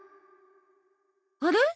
あれ？